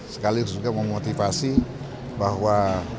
sekaligus juga memotivasi bahwa